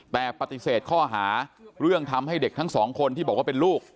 แต่ปฏิเสธข้อหาเรื่องทำให้เด็กทั้งสองคนที่บอกว่าเป็นลูก